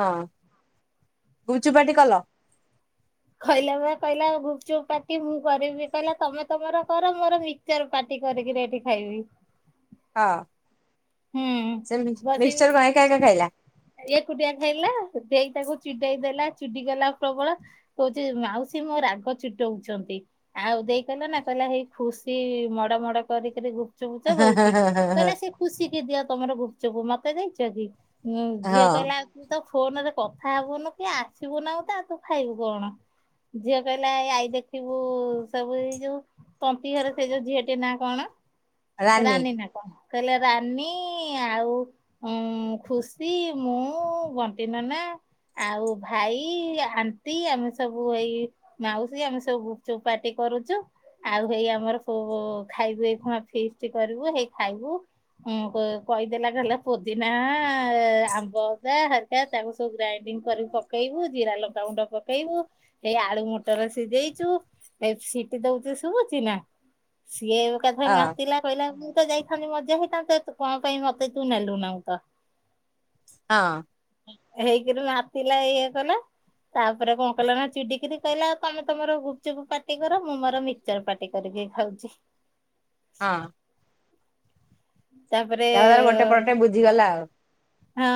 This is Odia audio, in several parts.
ହଁ ଗୁଚୁପାଟି କଲ? କହିଲା ବା କହିଲା ଗୁପଚୁପ୍ ପାଟି ମୁଁ କରିବି କହିଲା ତମ ତମର କର ମୋର ମିକ୍ସଚର ପାଟି କରିକି ଏଠି ଖାଇବି। ସେ। ହଁ। ହୁଁ ସେ ବସି ମିକ୍ସଚର କଣ ଏକା ଏକା ଖାଇଲା। ଏକୁଟିଆ ଖାଇଲା ସେଥି ତାକୁ ଚିଡେଇ ଦେଲା ଚିଡି ଗଲା ପ୍ରବଳ କହୁଛି ମାଉସୀ ମୋ ରାଗ ଚିଟଉଚନ୍ତି। ଆଉ ଦେଇ କହିଲ ନା କହିଲା ହେଇ ଖୁସି ମଡ ମଡ କରିକିରି ଗୁ ପୁଚୁ ପୂଚୁ ହଉଚି କହିଲା ସେ ଖୁସି। ଦିଅ ତମର ଗୁପଚୁପୁ ମତେ ଦେଇଛନ୍ତି ଉଁ ଝିଅ ହଁ କହିଲା ତ ଫୋନ ରେ କଥା ହବୁନୁ କି ଆସିବୁ ନାଉ ତା ତୁ ଖାଇବୁ କଣ। ଝିଅ କହିଲା ଆ-ଆଇ ଦେଖିବୁ ସବୁ ଏଇ ଯୋଉ। ତନ୍ତିୀ ଘରେ ସେ ଯୋଉ ଝିଅଟି ନା କଣ ରାନୀ ନା କଣ କହିଲେ ରା ନି ଆଉ ଉଁ ଖୁସି ମୁଁ ବଣ୍ଟି ନନା। ଆଉ ଭାଇ ଆଣ୍ଟି ଆମେ ସବୁ ଏଇ ମାଉସୀ ଆମେ ସବୁ ଗୁପଚୁପ ପାଟି। କରୁଛୁ ଆଉ ହେଇ ଆମର ଫୁ ଖାଇବୁ ଏଇ ଖୁଣା ଫିଷ୍ଟ କରିବୁ ହେଇ ଖାଇବୁ। ହଁ କ-କହିଦେଲା ହେଲା ପୋଦିନା ଆମ୍ବ ଅଦା ଘରିକା ତାକୁ ସବୁ ଗ୍ରାଇଡିଙ୍ଗ। କରି ପକେଇବୁ ଜିରା ଲଙ୍କାଗୁଣ୍ଡ ପକେଇବୁ ଏଇ ଆଳୁ ମଟର ସିଝେଇଛୁ। ଏ ସିଟି ଦଉଛି ଶୁଭୁଛି ନା ଶି ସିଏ ଏକଥାରେ ହଁ ମାତିଲା କହିଲା ମୁଁ ତ ଯାଇଥାନ୍ତି ମଜା ହେଇଥା ତା ତୁ କଣ ପାଇଁ ମତେ ତୁ ନେଲୁ ନାଉ ତ? ହଁ। ହେଇକିରି ମାତିଲା ଏଇୟା କଲା। ତାପରେ କଣ କହିଲ ନା ଚିଡିକିରି କହିଲା ତମେ ତମର ଗୁପଚୁପୁ ପାଟି କର ମୁଁ ମୋର ମିକଚର ପାଟି କରି କି ଖାଉଛି। ହଁ। ତାପରେ ଯାହା ହଉ ତାର ଗୋଟେ ପଟେ ବୁଝିଗଲା ଆଉ। ହଁ।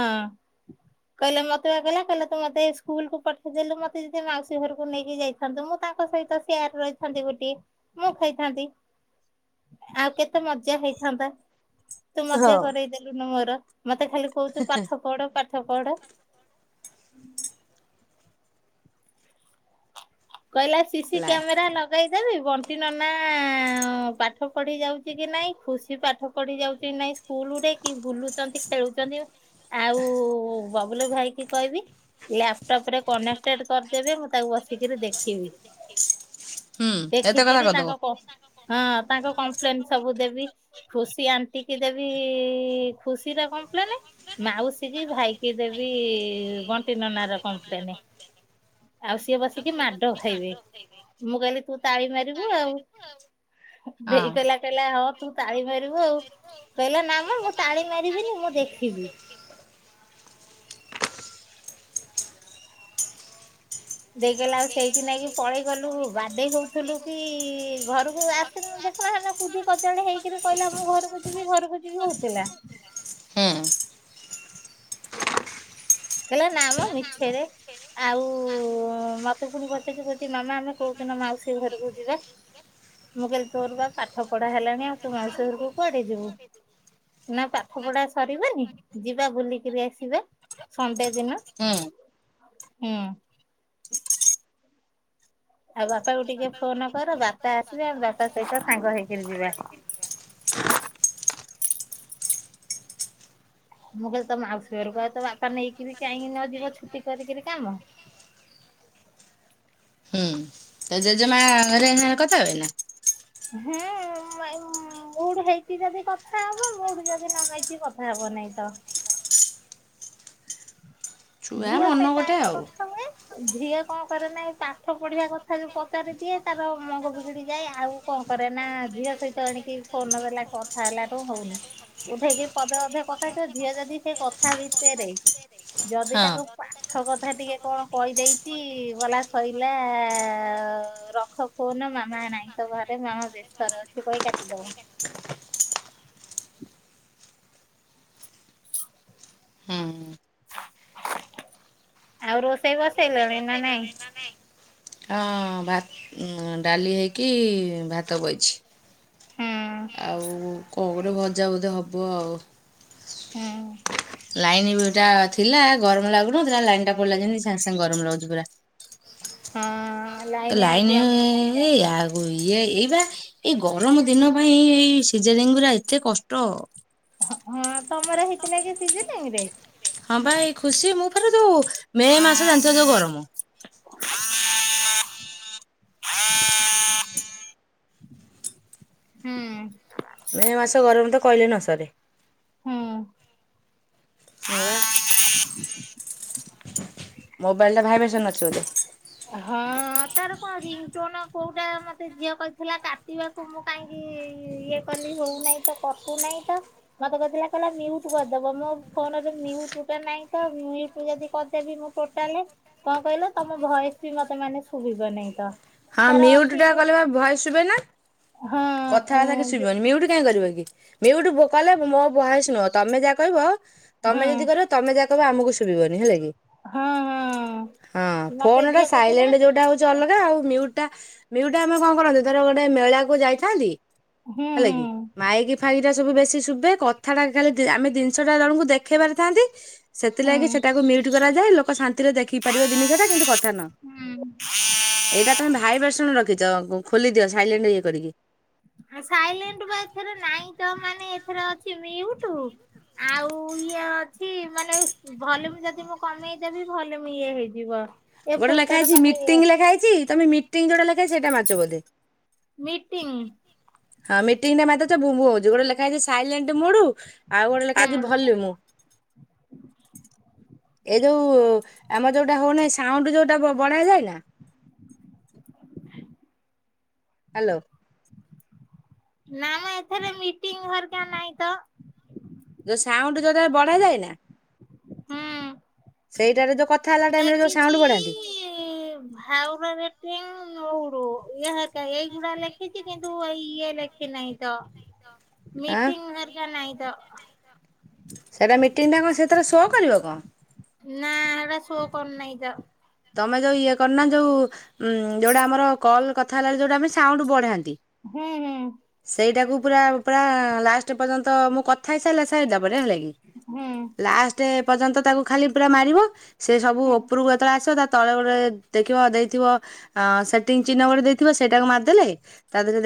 କହିଲା ମତେ ପା କହିଲା କହିଲା ତୁ ମତେ ସ୍କୁଲକୁ ପଠେଇ ଦେଲୁ ମତେ ଯଦି ମାଉସୀ ଘରକୁ ନେଇକି ଯାଇଥାନ୍ତୁ ମୁଁ ତାଙ୍କ ସହିତ ସିୟାର ରହିଥାନ୍ତି ଗୋଟିଏ ମୁଁ ଖାଇଥାନ୍ତି। ଆଉ କେତେ ମଜା ହେଇଥାନ୍ତା। ତୁ ମଜା ହଁ। କରେଇ ଦେଲୁନୁ ମୋର ମତେ ଖାଲି କହୁଚୁ ପାଠ ପଢ଼ ପା ପାଠ ପଢ଼। କହିଲା ସିସିି ଲା କ୍ୟାମେରା ଲଗେଇଦେବି। ବଣ୍ଟି ନନା ପାଠ ପଢ଼ି ଯାଉଛି କି ନାଇଁ ଖୁସି ପାଠ ପଢ଼ି ଯାଉଛି କି ନାହିଁ ସ୍କୁ ଲୁରେ କି ବୁଲୁଛନ୍ତି ଖେଳୁଛନ୍ତି ଆଉ ବବୁଲ ଭାଇ କି କହିବି। ଲାପଟପ ରେ କନେକ୍ଟେଡ କରିଦେବେ ମୁଁ ତାକୁ ବସ କିରି ଦେଖିବି ହୁଁ ଏତେ କଥା ଦେଖିକିରି କରିଦବ ତାଙ୍କ କ ହଁ ତାଙ୍କ କ ପ୍ଲେନ ସବୁ ଦେବି ଖୁସି ଆଣ୍ଟି କି ଦେବି ଖୁସିର କମ୍ପ୍ଲେନେ ମା ଉସି କିି ଭାଇକି ଦେବି ବଣ୍ଟି ନନା ର କମ୍ପ୍ଲେନେ। ଆଉ ସିଏ ବସିକି ମାଡ ଖାଇବେ ମୁଁ କହିଲି ତୁ ତାଳି ମାରିବୁ ଆଉ। ହଁ ଦେଇ କହିଲା କହିଲା ହ ତୁ ତାଳି ମାରିବୁ ଆଉ କହିଲା ନା ମ ମୁଁ ତାଳି ମାରିବିନି ମୁଁ ଦେଖିବି। ଦେଇ କହିଲା ଆଉ ସେଇଥି ନାଇକି ପଳେଇ ଗଲୁ ବାଡେଇ ହଉଥିଲୁ କି ଘରକୁ ଆସିଲୁନୁ ଦା ନହେନେ କୁଦି କଚାଡି ହେଇକିରି କହିଲା ମୁଁ ଘରକୁ ଯିବି ଘରକୁ ଯିବି ହଉଥିଲା। ହୁଁ କହିଲା ନା ମ ମିଛେରେ। ଆଉ ମତେ ପୁଣି ପଚାରୁଚି କହୁଚି ମାମା ଆମେ କୋଉଦିନ ମାଉସୀ ଘରକୁ ଯିବା? ମୁଁ କହିଲି ତୋର ବା ପାଠ ପଢା ହେଲାଣି ଆଉ ତୁ ମାଉସୀ ଘର କୁ କୁଆଡ଼େ ଯିବୁ? ନା ପାଠ ପଢା ସରିବନି ଯିବା ବୁଲିକିରି ଆସିବା। ସଣ୍ଡେ ଦିନ ହୁଁ ହୁଁ। ଆଉ ବାପା କୁ ଟିକେ ଫୋନ କର ବାପା ଆସିବେ ଆଉ ବାପା ସହିତ ସାଙ୍ଗ ହେଇକିରି ଯିବା। ମୁଁ କହିଲି ତୋ ମାଉସୀ ଘରକୁ ପା ତ ବାପା ନେଇକିରି କାହିଁକି ନ ଯିବ ଛୁଟି କରିକିରି କାମ। [inaudible] ତା ଜେଜେମା ଘରେ ଏଇନା କଥା ହୁଏ ନା? ହେଁ ଏଇ ଉଁ ମୁଡୁ ହେଇଛି ଯଦି କଥା ହବ ମୁଡୁ ଯଦି ନ ହେଇଛି କଥା ହବ ନାହି ତ। ଛୁଆ ଝିଅ ମନ ସହିତ ଗୋଟେ ଆଗେ ଆଉ କଥା ହୁଏ। ଝିଅ କଣ କରେ ନା ଏଇ ପାଠ ପଢିବା କଥା ଯୋଉ ପଚାରି ଦିଏ ତାର ମଙ୍ଗ ବିଗିଡି ଯାଏ ଆଉ କ କ କରେ ନା ଝିଅ ସହିତ ଏଣିକି ଫୋନ ଦେଲା କଥା ହେଲାଠୁ ହଉନି। ଉଠେଇକି ପଦେ ଅଧେ କଥା ହେଇଥିବ ଝିଅ ଯଦି ସେ କଥା ଭିତେରେ। ଯଦି ହଁ। ତାକୁ ପାଠ କ ଥା ଟିକେ କଣ କହିଦେଇଛି ଗଲା ଶଇଲା ରଖ ଫୋନ ମାମା ନାଇଁ ତ ଘରେ ମାମା ବ୍ୟସ୍ତରେ ଅଛି କହି କାଟିଦବ। [inaudible] ହୁଁ। ଆଉ ରୋଷେଇ ବସେଇଲେଣି ନା ନାଇଁ? ହଁ, ଡାଲି ହେଇକି ଭାତ ବଇଛି। ହୁଁ ଉ କଣ ଗୋଟେ ଭଜା ବୋଧେ ହବ ଆଉ ହୁଁ। ଲାଇନ ବି ଗଟା ଥିଲା, ଗରମ ଲାଗୁନଥିଲା, ଲାଇନ ଟା ପଳେଇଲା ଯେମିତି, ସାଙ୍ଗେ ସାଙ୍ଗେ ଗରମ ଲାଗୁଛି ପୁରା ହଁ ଆଜି ଲାଇନ ଆମର କାଇଁ ଏଇ ଯାଇନି। ଆଗ ଇ ଏଇ ଏଇ ଗରମ ଦିନ ପାଇଁ, ଏଇ ସିଜରିଙ୍ଗଗୁରା ଏତେ କଷ୍ଟ। ହଁ ତମର ହେଇଥିଲାକି ସିଜେରିଙ୍ଗରେ ହଁ ଭାଇ ଖୁସି, ମୁଁ ଫେରେ ଯୋଉ ମେ ମାସ, ଜାଣିଥିବ ଯୋଉ ଗରମ ହୁଁ। ମେ ମାସ ଗରମ ତ, କହିଲେ ନ ସରେ ହୁଁ। ନଆ [unintelligible] ମୋବାଇଲରେ ଭାଇବ୍ରେସନ ଅଛି, ବୋଧେ ହଁ ତାର ପା ରିଙ୍ଗ ଟୋଣ [unintelligible] କେଉଁଟା ମୋତେ ଝିଅ କହିଥିଲା କାଟିବାକୁ ମୁଁ କାହିଁକି ଇଏ କଲି ହଉନାହିଁ ତ ତ ମତେ କ କହିଲଟ କରିଦବ ମୋ ଫୋନଟଟା ନାଁ ତ [unintelligible] ଯଦି କହିଦେବି ମୁଁ ଟୋଟାଲି, କଣ କହିଲ ତମ ଭଏସ ବି ମତେ ମାନେ ଶୁଭିବ ନାହିଁ ତ ହଁ ତାର ମ୍ୟୁଟ ଅଛି ଟା ଯୋଉ କଲେ ପା ଭଏସ ଶୁଭେନା। ହଁ କଥାବାର୍ତ୍ତା କିଛି ଯୋଉ ଶୁବିବନି, ମିଉଟ କାହିଁ କରିବ କି? ମିଉଟ କଲେ ମୋ ଭୟସ ନୁହଁ, ତମେ ଯାହା କହିବ ହଁ ତମେ ଯଦି କରିବ ତମେ ଯା ତ ଆମକୁ ଶୁଭିବନି ହେଲା କି? ହଁ ହଁ। ହଁ ମତେ ଫୋନ ଟା ଝିଅ କହିଥିଲା ସାଇଲେଣ୍ଟ ଯୋଉଟା ହଉଛି ଅଲଗା ଆଉ ଟା ମିଉଟଟା ଆମେ କଣ କରନ୍ତି, ଧର ଗୋଟେ ମେଳା କୁ ଯାଇଥାନ୍ତି ହୁଁ ହେଲା ହୁଁ କି, ମାଇକି ଫାଇକି ଟା ସବୁ ବେଶି ଶୁଭେ, କଥାଟା ଖାଲି ଆମେ ଜିନିଷଟା ଜଣଙ୍କୁ ଦେଖେଇ ପାରିଥାନ୍ତି। ହୁଁ ସେଥିଲାଗି ସେଟାକୁ ମିଉଟ କରାଯାଏ, ଲୋକ ଶାନ୍ତି ଦେଖି ପାରିବ ଜିନିଷଟା କିନ୍ତୁ କଥା ନ, ହୁଁ। ଏଇଟା ତମେ ଭାଇ ବସଣ ରଖ। ଖ ଖୋଲିଦିଅ, ସାଇଲେଣ୍ଟ ଇଏ କରିକି। ସାଇଲେଣ୍ଟ ବା ଏଥର ନାଇଁ ତ, ମାନେ ଏଥରେ ଅଛି ମିଉଟ ଆଉ ଇଏ ଅଛି ମାନେ, ଭଲମ ଯଦି ମୁଁ କମେଇଦେବି ଭଲମ ଇଏ ହେଇଯିବ। ଏ ଗୋଟେ ଲେଖା ଫୋନଟାର ହେଛି ମାନେ ଇଏ ମିଟିଂ ଲେଖା ହେଇଛି, ତମ ମିଟିଂ ଯୋଉଟା ସେଟା ମାରିଛ ବୋଧେ, ମିଟିଂ ହଁ ମିଟିଙ୍ଗଟା ବୁମୁ [unintelligible] ହଉଛି ଗୋଟେ ଲେଖା ହେଇଛି ସାଇଲେଣ୍ଟ ମୋଡୁ ଆଉ ଗୋଟେ ଲେଖା ହେଇଛି ହୁଁ ଭଲମୁ, ଏ ଯୋଉ ଆମର ଯଉଟା ହଉନାହି, ସାଉଣ୍ଡ ଯୋଉଟା ବଢା ଯାଏନା ହାଲୋ ନା ଏଥିରେ ମିଟିଙ୍ଗ ଘରିକ ନାହିଁ ତ। ତ ସାଉଣ୍ଡ ଯଉଥେର ବଢ଼ା ଯାଇନା ହୁଁ ସେଇଟାରେ ଯ କ [unintelligible] ନଉଡୁ ଇ ହେ ଏଇଗୁଡା ଲେଖିଛି କିନ୍ତୁ ଏଇ ଇଏ ଲେଖିନାହିଁ ଆଁ ମିଟିଂ ହେରିକା ନାହିଁ ତ? ସେଇଟା ମିଟିଂଟା କଣ ସେଥିର ଶୋ କରିବ କଣ? ନା ଏଟା ଶୋ କରୁ ନାହିଁ ତ? ତମେ ଯୋଉ ଇଏ କର ନା, ଯୋଉ ଉଁ ଯୋଉଟା ଆମର କଲ୍ କଥା ହେଲା, ଯୋଉଟା ଆମେ ସାଉଣ୍ଡ ବଢାଏ। ହୁଁ ହୁଁ ସେଇଟାକୁ ପୁରା, ପୁରା ଲାଷ୍ଟ ପର୍ଯ୍ୟନ୍ତ ମୁଁ କଥା ହେଇସାରିଲା ସାରିଲା ପରେ, ହେଲା ହୁଁ ଲାଷ୍ଟ ପର୍ଯ୍ୟନ୍ତ ତାକୁ ଖାଲି ପୁରା ମାରିବ ସେ ସବୁ ହୁଁ। ଉପରକୁ ଯେତେବେଳେ ଆସ ତଳେ ଦେଖିବ ଚିହ୍ନ ସେଟାକୁ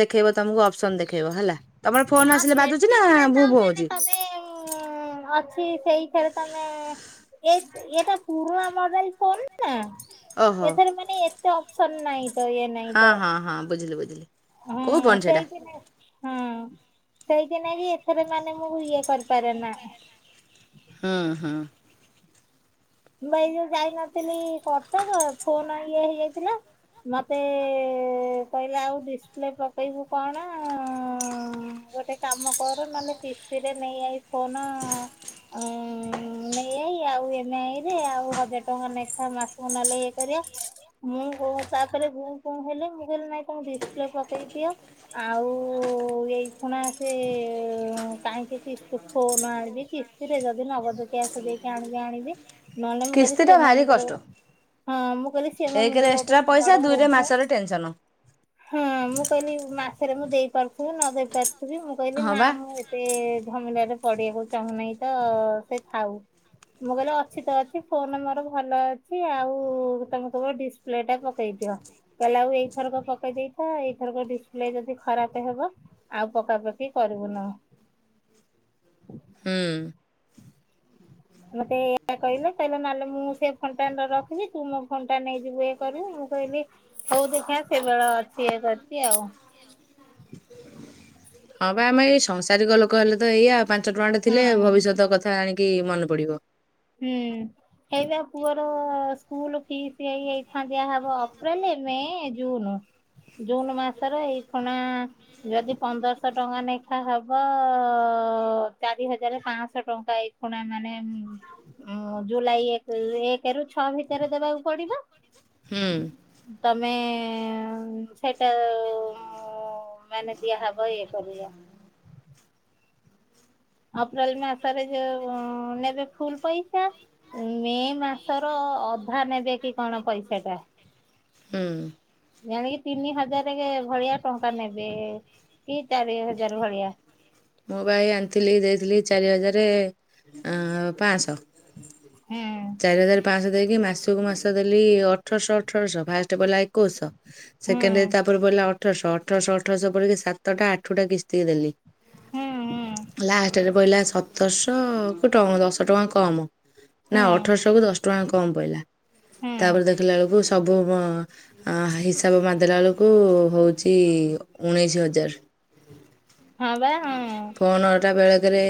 ଦେଖେଇବ ତମକୁ ଅପସନ ଦେଖେଇବ ହେଲା। ତମର ଫୋନ ହଁ ଆସିଲେ ବାଜୁଛି ନା ସେରେ ତ ଭୁଁ ଭୁଁ ମେ ହଉଛି ତମେ ଅଛି ସେଇ ଏରେ ତମେ ଏ ଏଟ ପୁରୁଣା ମୋବାଇଲ ଫୋନ ଓହୋ ଏଥର ମାନେ ଏତେ ଅପସନ ନାଇଁ। ହଁ ହଁ ହଁ ବୁଝିଲୁ ବୁଝିଲୁ। ହଁ ସେଇ କି ନା। ହଁ ସେଇଥିନାଇଁ କି ଏଥର ମାନେ ମୁଁ ଇଏ କରିପାରେ ନା ହୁଁ ହୁଁ। ମୁଁ ଏଇ ଯୋଉ ଯାଇନଥିଲି କଟକ ଫୋନ ଇଏ ହେଇଯାଇଥିଲା ମତେ କହିଲା ଆଉ ଡିସପ୍ଲେ ପକେଇବୁ କଣ ଗୋଟେ କାମ କର ନହେଲେ କିିସ୍ତିରେ ନେଇ ଆଇ କଣ ନେଇ ଆଉ ଆଉ ହଜାର ଟଙ୍କା ନାଇଖା ମାସକୁ ନହେଲେ ଇଏ କରିବା ମୁଁ କ ତାପରେ ହେଲେ ମୁଁ କହିଲି ନାଇଁ କଣ ଡିସପ୍ଲେ ପକେଇ ଦିଅ ଆଉ ଏଇ ଖୁଣା ସେ କାହିଁକି କିସ୍ତି ଖୋଉନ ଆଣିବି କିସ୍ତି ରେ ଯଦି ନ ସ ଦେଇକି ଆଣିବେ ଆଣିବେ ନହେଲେ ମୁଁ କଲି କିସ୍ତିଟା ସିଏ ମୋ ଭାରି ମୁଣ୍ଡ [inaudible] କଷ୍ଟ ଏକରେ ଏକ୍ସଟ୍ରା ପଇସା ଦୁଇରେ ମାସରେ ଟେନସନ ହଁ ମୁଁ କହିଲି ମା ସେରେ ମୁଁ ଦେଇପାରୁଥିବି ନ ଦେଇ ପାରୁଥିବି ମୁଁ କହିଲି ହଁ ନା ବା ମୁଁ ଏତେ ଧମିଲାରେ ପଢିବାକୁ ଚାହୁଁନାହିଁ ତ ସେ ଥାଉ ମୁଁ କହିଲେ ଅଛି ଫୋନ ମୋର ଭଲ ଅଛି ଆଉ ତମେ କେବେ ଡିସପ୍ଲେ ଟା ପକେଇ ଦିଅ। ଲାଉ ଏଇଥରକ ପକେଇ ଦେଇଥା ଏଇଥରକ ଡିସପ୍ଲେ ଯଦି ଖରାପେ ହେବ ଆଉ ପକା ପକି କରିବୁନଉ। [inaudible] ହୁଁ। ମତେ ଏଇଆ କହିଲେ କହିଲେ ନହେଲେ ମୁଁ ସେ ଫଣ୍ଟା ରଖିବି ତୁ ମୋ ଫଣ୍ଟା ନେଇଯିବୁ ଇଏ କରିବୁ। ମୁଁ କହିଲି ହଉ ଦେଖ୍ୟା ସେ ବେଳ ଅଛି ଇଏ କରିଚି ଆଉ। [inaudible] ହଁ ପା ଆମ ଏଇ ସଂସାରିକ ଲୋକ ହେଲେ ତ ଏଇଆଉ ପାଞ୍ଚ ଟଙ୍କା ଟେ ଥିଲେ ହଁ ଭବିଷ୍ୟତ କଥା ଆଣିକି କି ମନ ପଡିବ। ହୁଁ। ହେଇ ପା ପୁଅର ସ୍କୁଲ୍ ଫିସ୍ଏଇଥା ଦିଆହବ ଅପ୍ରେଲେ ମେ ଜୁନ ଜୁନ୍ ମାସର ଏଇ ଖୁଣା ଯଦି ପନ୍ଦରଶ ଟଙ୍କା ନେଖା ହବ ତ ଚାରି ହଜାରେ ପାଆଶହ ଟଙ୍କା ଏଇ ଖୁଣା ମାନେ ଉଁ ଜୁଲାଇ ଏକ ଏକ ରୁ ଛଅ ଭିତରେ ଦେବାକୁ ପଡିବ। ହୁଁ ତମେ ସେଟାଓ ମାନେ ଦିଆହବ ଇଏ କରିବ। ଅପ୍ରେଲ ମାସରେ ଯଉ ନେବେ ଫୁଲ୍ ପଇସା ମେ ମାସର ଅଧା ନେବେ କି କଣ ପଇସା ଟା ହୁଁ ଜାଣିକି ତିନି ହଜାରେ ଭଳିଆ ଟଙ୍କା ନେବେ କି ଚାରି ହଜାରେ ଭଳିଆ। ମୁଁ ହେଇ ଆଣିଥିଲି ଦେଇଥିଲି ଚାରି ହଜାରେ ପାଆଶ। ହୁଁ। ଚାରି ହଜାରେ ପାଆଶ ଦେଇକି ମାସକୁ ମାସ ଦେଲି ଅଠରଶ ଅଠରଶ ଫାଷ୍ଟ ପଡ଼ିଲା ଏକୋଇଶ। ହୁଁ ସେକେଣ୍ଡରେ ତାପରେ ପଡିଲା ଅଠରଶ ଅଠରଶ ଅଠରଶ ପଡିକି ସାତଟା ଆଠଟା କିସ୍ତି ଦେଲି। ହୁଁ ହୁଁ ପଇଲା ସତରଶ କୁ ଟଙ୍କ ଦଶ ଟଙ୍କା କମ୍। ନା ହୁଁ ଅଠରଶ କୁ ଦଶ ଟଙ୍କା କମ୍ ପଇଲା ହୁଁ ତାପରେ ଦେଖିଲା ଅଳକୁସ ସବୁ ବ ହିସାବ ମରିଦେଲା ବେଳକୁ ହଉଚି ଉଣେଇଶି ହଜାର। ହଁ ବା ହଁ। କନ ଟା ବେଳେକେରେ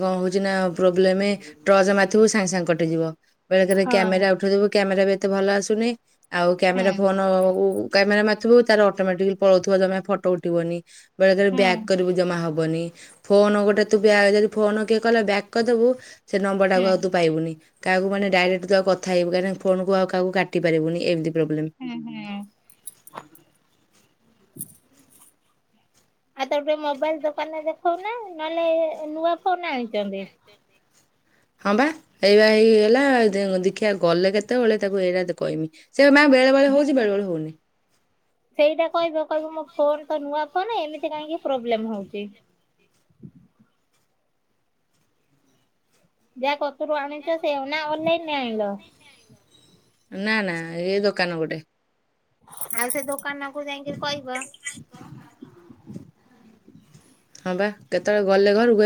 କଣ ହଉଛି ନା ପ୍ରୋବ୍ଲେମେ ଟ୍ରଚ ମାଥିବୁ ସାଙ୍ଗେ ସାଙ୍ଗେ କଟିଯିବ। ବେଳେକେରେ ହଁ କ୍ୟାମେରା ଉଠେଇଥିବୁ କ୍ୟାମେରା ବି ଏତେ ଭଲ ଆସୁନି। ଆଉ କ୍ୟାମେରା ହୁଁ ଫୋନ ଉ କ୍ୟାମେରା ମାଥିବୁ ତାର ଅଟୋମେଟିକି ପଳଉଥିବ ଜମା ଫଟ ଉଠିବନି। ବେଳେକେରେ ହୁଁ ବ୍ୟାଗ କରିବୁ ଜମା ହବ ହବନି ଫୋନ ଗୋଟେ ତୁ ଯଦି ଫୋନ କିଏ କ ବ୍ୟାକ୍ କରିଦବୁ। ସେ ନମ୍ବର ଟାକୁ ହୁଁ ଆଉ ତୁ ପାଇବୁନି। କାହାକୁ ମାନେ ଡାଇରେକ୍ଟ ତ କଥା ହେବ କାହିଁକି ଫୋନକୁ ଆଉ କହାକୁ କାଟି ପାରିବନି। ଏମିତି ପ୍ରୋବ୍ଲେମ୍ ହୁଁ ହୁଁ। ଆଉ ତାକୁ ଟିକେ ମୋବାଇଲ ଦୋକାନରେ ଦେଖଉନା। ନହଲେ ନୂଆ ଫୋନ ଆଣିଛନ୍ତି। ହଁ ବା ଏଇଆ ହେଇଗଲା ଦେଖିବା ଗଲେ କେତେବେଳେ ତାକୁ ଏଇଟା କହମି। ସେ ମା ବେଳେ ବେଳେ ହୁଁ ହଉଛି ବେଳେ ବଳେ ହଉନି। ସେଇଟା କହିବ କହିବୁ ମୋ ଫୋନ୍ ତ ନୂଆ କନ ଏମିତି କାହିଁକି ପ୍ରୋବ୍ଲେମ୍ ହଉଛି। ଯାହା କତରୁ ଆଣିଛ ସେ ନା ଅନଲାଇନରେ ଆଣିଲ। ନା ନା ଏ ଦୋକାନ ଗୋଟେ। ଆଉ ସେ ଦୋକାନକୁ ଯାଇକିନି କହିବ। ହଁ ବା କେତେବେଳେ ଗଲେ ଘରକୁ।